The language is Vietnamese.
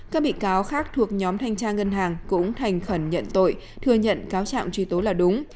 các bị cáo khác thuộc nhóm thanh tra ngân hàng cũng thành khẩn nhận tội thừa nhận cáo trạng truy tố là đúng